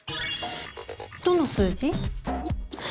どの数字？